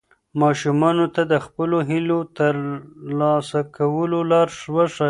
ماشومانو ته د خپلو هیلو د ترلاسه کولو لار وښایئ.